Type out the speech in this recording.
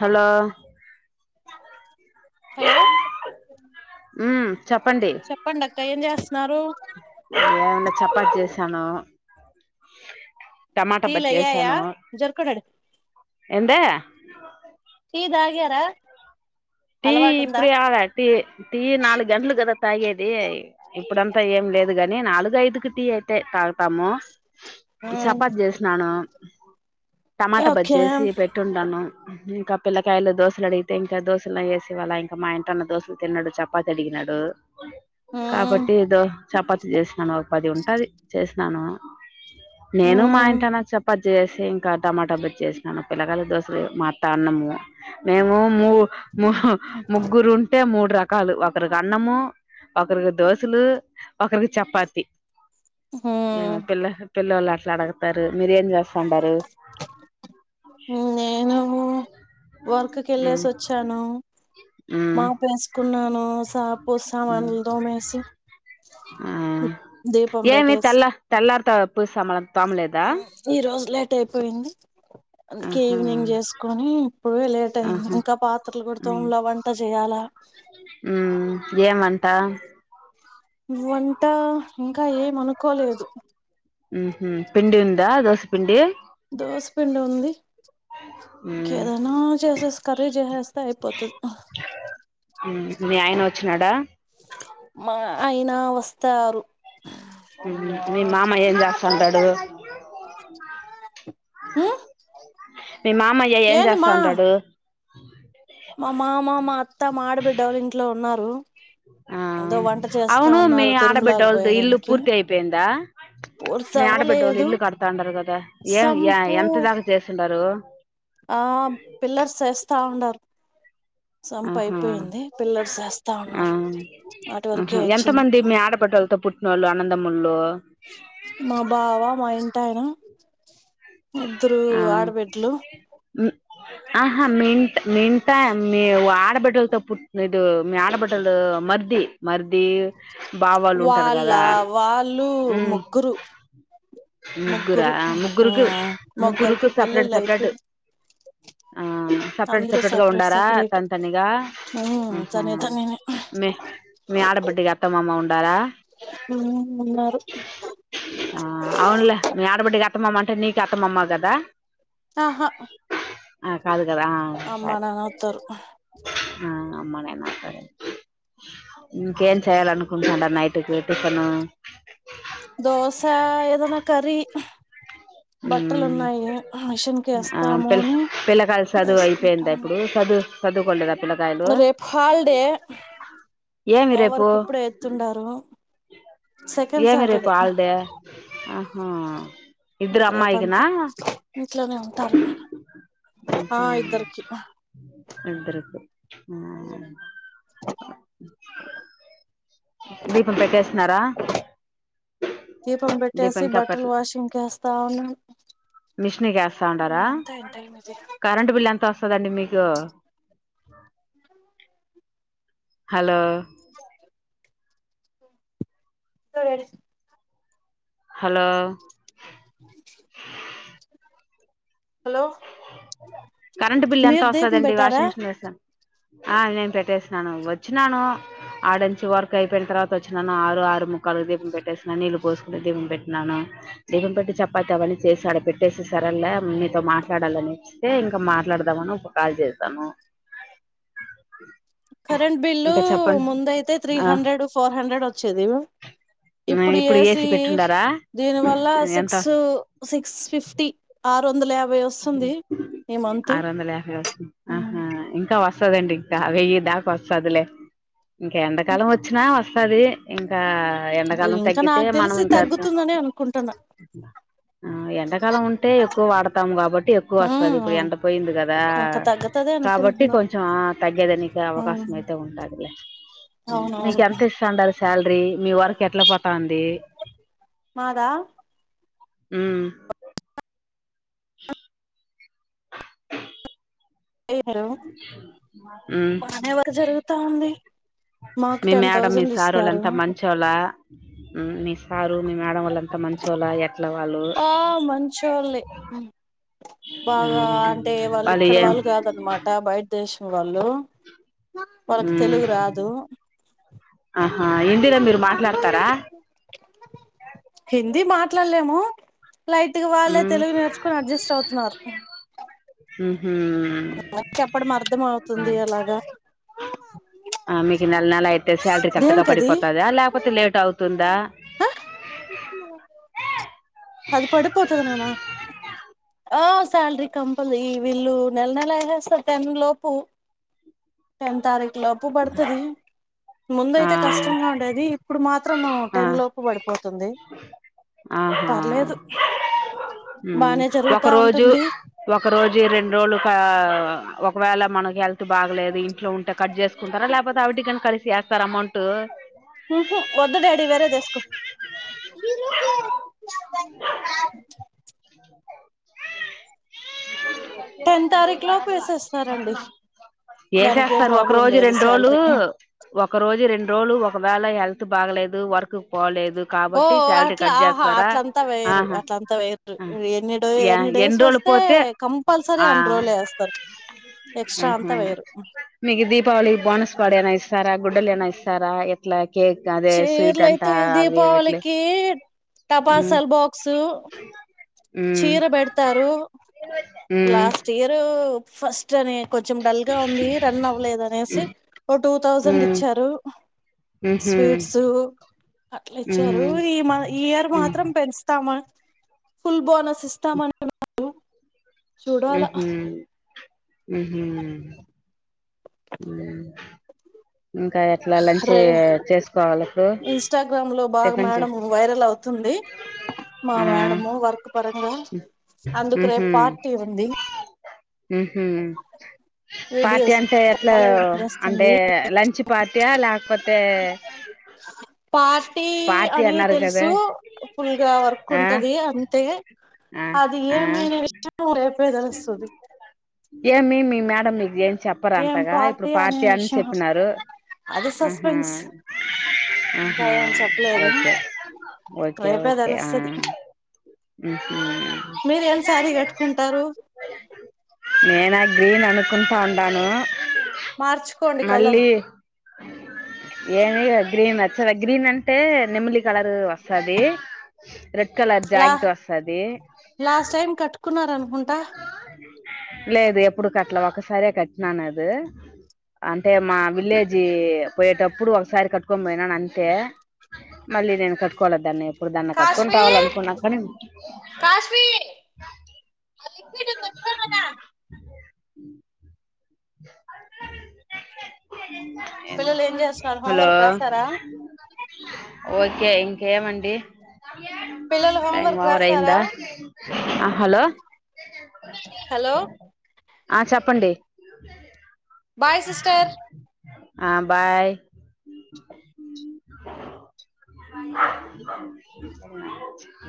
hello hello ఉమ్ చెప్పండి చెప్పండి అత్తయ్ ఏం జేస్తున్నారు ఏముంది చపాతి చేశాను టమాట టీలు బజ్జి అయ్యాయా చేశాను జరుకుడాడు ఏందే టీ తాగార టీ ఇప్పుడే యాడ టీ టీ నాలుగు గంటలు కదా తాగేది ఇప్పుడంతా ఏం లేదు గాని నాలుగు ఐదుకి టీ అయితే తాగుతాము చపాతి చేసినాను టమాట బజ్జి ఓకే చేసి పెట్టి డాను ఇంకా పిల్లకాయలు దోశలు అడిగితే ఇంకా దోస వేసి వాళ్ళ ఇంకా మా ఇంటన్న దోస్తులు తిన్నాడు చపాతి అడిగినాడు కాబట్టి ఏదో చపాతి చేసినాను ఒక పది ఉంటది చేసినాను నేను మా ఇంటి అయినా చపాతి చేసి ఇంకా టమాటా బజ్జి చేసినను పిల్లగాల దోసలు మా అత్త అన్నము మేము మూ ముగ్గురు ఉంటే మూడు రకా కాలు ఒకరికి అన్నము ఒకరికి దోశలు ఒకరికి చపాతి ఏపిల్ల పిల్లోళ్ళు అట్లా అడగుతారు మీరు ఏం చేస్ స్తుండరు నేను ఉమ్ తనూ మాపేసుకున్నాను సాపు మ్మ్ సామానులు దోమేసి ఇప్ దీపం బెట్టేసి తెల్లార్త పుసామాన్లు తోమలేదా ఈరోజు లేట్ అయిపోయింది అందుకే ఆహా ఈవినింగ్ చేసుకొని ఇప్పుడు లేట్ అయింది ఆహా ఇంకా పాత్రలు కూడా తోమల వంట చేయ్యాలా ఊ ఏం వంట వంట ఇంకా ఏమనుకోలేదు ఉహు పిండి ఉందా దోసపిండి దోస్ పిండి ఉంది మ్మ్ కేదైనా చేసేసి కర్రీ చేసేస్తే అయిపోతది ఊ మీ ఆయన వచ్చినాడా మా అయ్యినా వస్తారు మీ మామ ఏం జేస్తంటడు ఉమ్ మీ మామ ఏం ఏంది మా చేస్తాంటాడు మా మామ మా అత్త మా ఆడబిడ్డ వాళ్ళ ఇంట్లో ఉన్నారు ఆ ఏదో వంట చేస్తా అవును మీ ఉన్నారు తిరుమలాకి ఆడబిడ్డొల్లది ఇల్లు పోయేదానికి పూర్తయిపోయిందా పూర్తి మీ ఆడబిడ్డొలు అవ్వలేదు ఇల్లు కడతాంటారు కదా ఏ సంపు ఎంత దాకా చేసిండారు ఆ పిల్లర్స్ ఏస్తా ఉండారు ఆహా సంపయిపోయింది పిల్లర్స్ ఏస్తా ఆ ఉన్నారు వాటి వరకే వచ్చింది ఫోటోలుతో పుట్టినోళ్ళు అన్నదమ్ములు మా బావా మా ఇంటాయనా ఆ ఆడబిడ్లు ఉమ్ ఆహా మింట మింట మీ ఆడబిడ్డలతో పుట్టినోడు మీ ఆడబిడ్డలు మర్ది మర్ది బావాళ్ళు ఉంటారు వాళ్ళ కదా వాళ్ళు ఉమ్ ముగ్గురు ముగ్గురా ముగ్గరు ఊ ముగ్గురుకు ముగ్గురుకు ముగ్గురికి సపరేట్ సపరేట్ పెళ్ళిలేైపోయి ఆ సెపరేట్ సెపరేట్ గా ఉండారా తన్ తనిగా మ్మ్ ఉహు సనిత నేనే మీ మీ ఆడబిడ్డకు అత్తమామ ఉండారా ఊ ఉన్నారు ఆ అవునులే మీ ఆడబిడ్డకి అత్తమామ అంటే నీకు అత్త మామ కదా ఆహా ఆ కాదు కదా అమ్మ సరే నాన్న అవుతరు ఆ అమ్మ నాన్న అవుతరు ఇంకేం చేయ్యాలనుకుంటండావ్ నైట్ కి టిఫను దోస ఏదన్న కర్రీ ఊ బట్టలు ఉన్నాయి మిషన్ కి ఆ వేస్తాము పిల్ అని పిల్లకాయల చదువు అయిపోయిందా వేసుకుంటాను ఇప్పుడు చదువ్ చదువుకొలేదా రేపు హోలీడే ఏమి రేపు హోంవర్క్ ఇప్పుడే ఎతుండారు ఏమి రేపు హాలిడే ఆహా ఇద్దరు ఇంక అమ్మాయికినా రేపంతా ఇంట్లోనే ఉంటారు ఆ ఉహు ఇద్దరికి ఇద్దరికి ఆ దీపం పెట్టేస్తున్నారా దీపం దీపం పెట్టేసి ఇంకా బట్టలు వాషింగ్ కేస్తావునా మిషన్ కేస్తా ఉంటారా టైం ఇది కరెంట్ బిల్ ఎంత వస్తందండి మీకు హలో ఇంట్లో వేస్ హలో హలో కరెంట్ బిల్ ఎంత మీరు దీపం వస్తదండి పెట్టారా వాషింగ్ మిషిన్ లెస ఆ నేను పెట్టేసినాను వచ్చినాను ఆడ నుంచి వర్క్ అయిపోయిన తర్వాత ఓచ్చినాను ఆరు ఆరు ముక్కాలు దీపం పెట్టేస్తున్నాను నీళ్లు పోసుకుని దీపం పెట్టిన్నాను దీపం పెట్టి చపాతి అవన్నీ చేసి ఆడా పెట్టేసి సరల్ళ మీతో మాట డాలని ఇస్తే ఇంక మాట్లాడదామని ఒక కాల్ చేశాను కరెంట్ బిల్లు ఇంకా చెప్పండి ముందయితే త్రీ ఆ హండ్రెడ్ ఫోర్ హండ్రెడ్ వచ్చేది ఇప్పుడు ఏసి దీని వల్ల ఎంత సిక్స్ సిక్స్ ఫిఫ్టీ ఆరు వందల యాభై వస్తూ ఆరు వందల యాభై వసు ఆహా ఇంకా వ స్తదండి ఇంకా వెయ్యి దాకా వస్తాదిలే ఇంక ఎండాకాలం వచ్చినా వస్తది ఇంకా ఎండకాలం ఇంకా తగ్గితే నాకు మనం తెలిసి ఇంకా తగ్గుతుందని అనుకుంటున్నా ఆ ఎండకాలం ఉంటే ఎక్కువ వాడతాము కాబట్టి ఎక్కువ వస్తది ఇప్పుడు ఉమ్ ఎండ పోయింది కదా ఇంకా తగ్గుతది కాబట్టి అనుకుంటున్నా కొంచెం ఆ తగ్గేదానికి అవకాశం అయితే ఉంటాదిలే మీకు అవునవును ఎంత ఇస్తాండారు సాలరీ మీ వర్క్ ఎట్లా పోతాంది మాదా ఉ ఉ బానే వర్క్ జరుగుతా ఉంది మాకు మీ టెన్ మేడం మీ థౌజండ్ సారోళ్లు ఇస్తారు అంత మంచి చొల్ల ఉ మీ సారు మీ మేడం వోళ్ళంత మంచోళ ఎ లో వాళ్ళు ఆ మంచోల్లే బాగా ఉమ్ అంటే వాళ్ళు ఇక్కడ వాళ్ళు గాదన్నమాట బయటి దేశం వాళ్ళు వాళ్ళకి ఉమ్ తెలుగు రాదు ఆహా హిందీలో మీరు మాట్లాడతారా హిందీ మాట్లాడలేము లైట్గా వాళ్ళే ఉమ్ తెలుగు నేర్చుకుని అడ్జస్ట్ అవుతున్నారు ఉహు మరి చెప్పడం అర్థం అవుతుంది అలాగా ఆ మీకు నెల నెల అయితే శాలరీ కరెక్ట్గా దేనికది పడిపోతుందా లేకపోతే లేట్ అవుతుందా ఆ ఆ సాలరీ కంపల్ వీళ్లు నెల నెల వేసేస్తరు టెన్ లోపు టెన్ తారీఖు లోపు పడుతది ముందు ఆ అయితే కష్టంగా ఉండేది ఇప్పుడు మాత్రం ఆ టెన్ లోపు పడిపోతుంది ఆహా పర్లేదు ఉ బానే ఒక జరుగుతా రోజు ఉంటుంది ఒక రోజు రెండు రోజులు కా ఒకవేళ మనకి హెల్త్ బాగలేదు ఇంట్లో ఉంటే కట్ జేసు కుంటారా లేపోతే ఆవిటికని కలిసి వేస్తారా అమౌంట్ ఉ హు వద్దు డాడి వేరేదేసుకో ఈరోజే టెన్ తారీకు లో ఏసేస్తారండి ఏసేస్తారు ఒక రోజు రెండు రోజులూ శాలరీ ఒక రోజు రెండు రోజులు ఒకవేళ హెల్త్ బాగలేదు వర్క్ పోలేదు ఓ కాబట్టి శాలరీ అట్లా కట్ ఆహా చేస్తార అట్లంతా వేయరు అట్లంతా వేయరు ఎన్ని డో యా డేస్ ఎన్ని రోజులు వస్తే పోతే కంపల్సరీ ఆ అన్ రోలే ఏస్తారు ఎక్స్ట్రా అంతా ఆహా వేయరు మీకు దీపావళి బోనసుపడి ఏనా ఇస్తారా గుడ్డలు ఏనా ఇస్తారా ఎట్లా కే చీరలుయితే దీపావళికి ఉమ్ టపాసల్ బాక్సు ఉమ్ చీర పేడతారు లాస్ట్ ఇయరు ఫస్ ని కొంచెం డల్గా ఉంది రన్ అవ్వలేదు అనేసి ఓ టూ ఉమ్ థౌజండ్ ఉమ్ ఇచ్చారు ఉహు స్వీట్స్ అట్ల ఇచ్చారు ఉమ్ ఈ మా ఈ ఇయర్ ఉమ్ మాత్రం పెంచుతామ ఫుల్ బోనస్ ఇస్తాం [unintelligible] ఉహు ఉహు ఉ ఇంకా ఎట్లా లంచ్ రే చేసుకోవాలకు ఇన్స్టాగ్రామ్ లో బాగా టిఫిన్ మేడం వైరల్ అవుతుంది మా ఆ మేడము వర్క్ [unintelligible] అందుకు రేపు ఉహు పార్టీ ఉంది ఉహు పార్టీ వీడియోస్ అంటే ఎట్లా ఫాలోయింగ్ అంటే వస్తుంది లంచ్ పార్టీయా లేకపోతే పార్టీ పార్టీ అని అన్నారు కదా తెలుసు ఫుల్గా వర్క్ ఆ ఉంటది అ అయితే ఆ అది ఆ ఏమని విషయం రేపే తెలుస్తది ఏమి మీ మేడం మీకు ఏం చెప్పరు ఏం అంతగ ఇప్పుడు అనే పార్టీ అని విషయం చెప్పినారు అది ఆహ సస్పెన్స్ ఆహ ఇంకా ఏం చెప్పలేదు ఓకే ఓకే రేపే ఓకే ఆ తెలుస్తది ఉహు మీరు ఏం శారీ కట్టుకుంటారు నేనా గ్రీన్ అనుకుంట ఉన్నాను మార్చుకోండి కలర్ మళ్ళీ ఏమి గ్రీన్ నచ్చద గ్రీన్ అంటే నెమలి కలర్ [unintelligible] వస్తది రెడ్ కలర్ లా జాకెట్ వస్తది లాస్ట్ టైం కట్టుకున్నారు అనుకుంటా లేదు ఎప్పుడు కట్టల ఒకసారే కట్టినాన అది అంటే మా విల్లేజ్ పోయేటప్పుడు ఒకసారి కట్టుకొని పోయినాను అంతే మళ్ళీ నేను కట్టుకోవాల దాన్ని ఎప్పుడు దాన్ని కట్టుకుని రావాల అనుకున్నా కానీ కాశ్మీ అ అ పిల్లలు ఏం చేస్తున్నారు హలో హోంవర్క్ రాసారా ఓకే ఇంకమండి పిల్లలు టైమ్ హోంవర్క్ ఓవర్ రాసారా అయ్యిందా ఆ హలో హలో ఆ చెప్పండి బాయ్ సిస్టర్ ఆ బాయ్ తిన్నానని చెప్పే